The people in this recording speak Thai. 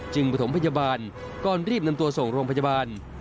ประถมพยาบาลก่อนรีบนำตัวส่งโรงพยาบาล